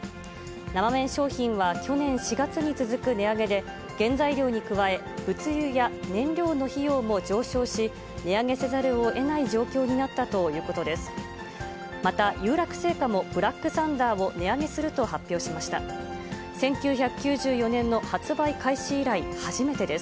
生麺商品は去年４月に続く値上げで、原材料に加え、物流や燃料の費用も上昇し、値上げせざるをえない状況になったということです。